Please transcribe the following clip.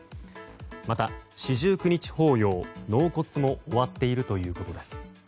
また四十九日法要、納骨も終わっているということです。